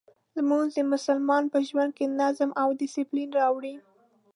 لمونځ د مسلمان په ژوند کې نظم او دسپلین راولي.